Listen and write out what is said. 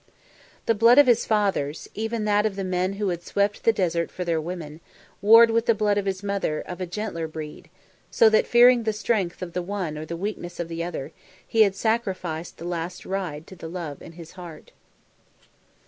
The blood of his fathers, even that of the men who had swept the desert for their women, warred with the blood of his mother of a gentler breed; so that, fearing the strength of the one or the weakness of the other, he had sacrificed the last ride to the love in his heart.